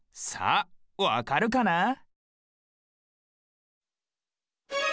さあわかるかな？